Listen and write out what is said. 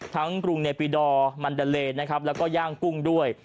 กรุงเนปิดอร์มันดาเลนะครับแล้วก็ย่างกุ้งด้วย